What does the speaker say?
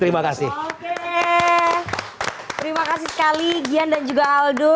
terima kasih sekali gian dan juga aldo terima kasih sekali gian dan juga aldo terima kasih sekali gian dan juga aldo